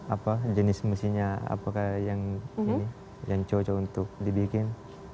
apa jenis mesinnya apakah yang ini yang cocok untuk dibikin